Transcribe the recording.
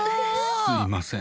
すいません。